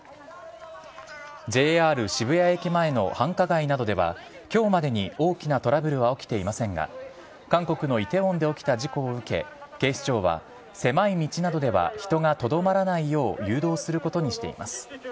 渋谷駅前の繁華街などでは、きょうまでに大きなトラブルは起きていませんが、韓国のイテウォンで起きた事故を受け、警視庁は、狭い道などでは人がとどまらないよう誘導することにしています。